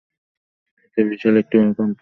এ তো বিশাল একটা ভূমিকম্প!